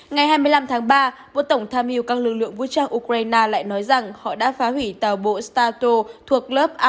ngày hai mươi năm tháng ba vua tổng tham hiệu các lực lượng vũ trang ukraine lại nói rằng họ đã phá hủy tàu bộ stato thuộc lớp aligato đang neo đậu tại cảng ở miền nam